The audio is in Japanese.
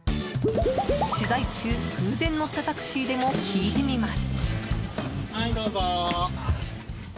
取材中、偶然乗ったタクシーでも聞いてみます。